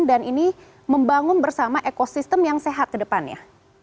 dan ini membangun bersama ekosistem yang sehat kedepannya